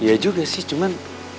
iya juga sih cuman